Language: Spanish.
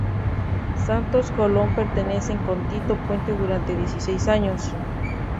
Santos Colón permaneció con Tito Puente durante diecisiete años.